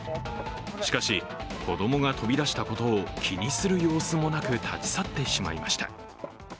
しかし、子供が飛び出したことを気にする様子もなく立ち去ってしまいました。